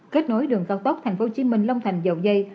kết nối đường cao tốc tp hcm long thành dầu dây